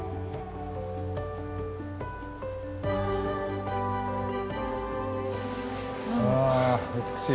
はあ美しい。